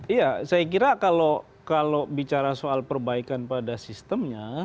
iya saya kira kalau bicara soal perbaikan pada sistemnya